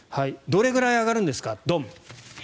どれぐらい上がるんですか。